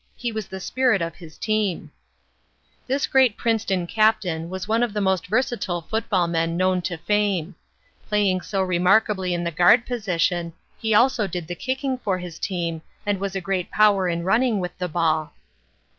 He was the spirit of his team. This great Princeton captain was one of the most versatile football men known to fame. Playing so remarkably in the guard position, he also did the kicking for his team and was a great power in running with the ball.